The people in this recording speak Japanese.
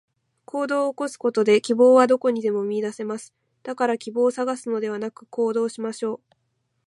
行動を起こすことで、希望はどこにでも見いだせます。だから希望を探すのではなく、行動しましょう。